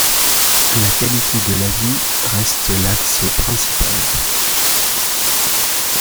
La qualité de la vie reste l'axe principal.